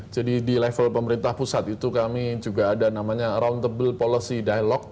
jadi di level pemerintah pusat itu kami juga ada namanya roundtable policy dialogue